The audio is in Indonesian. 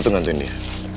lo tuh ngantuin dia